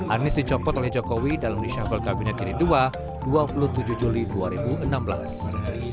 anies dicopot oleh jokowi dalam reshuffle kabinet jilid ii dua dua puluh tujuh juli dua ribu enam belas